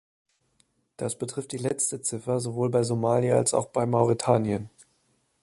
Das betrifft die letzte Ziffer, sowohl bei Somalia als auch bei Mauretanien.